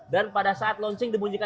dan pada saat lonceng dibunyikan